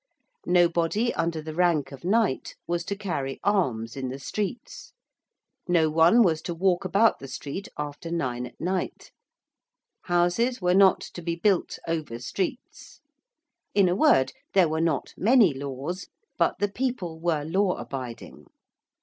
Nobody under the rank of knight was to carry arms in the streets: no one was to walk about the street after nine at night: houses were not to be built over streets. In a word, there were not many laws; but the people were law abiding.